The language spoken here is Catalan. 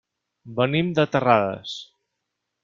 Venim de Terrades.